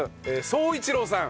壮一郎さん。